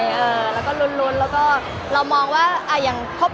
มันเป็นเรื่องน่ารักที่เวลาเจอกันเราต้องแซวอะไรอย่างเงี้ย